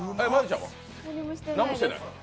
何もしてないです。